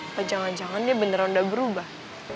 atau jangan jangan dia beneran udah berubah